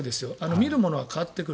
見るものが変わってくる。